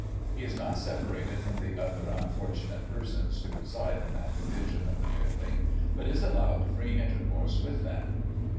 He is not separated from the other tmfortunate persons who reside in that division of the building, but is allowed free intercourse with them.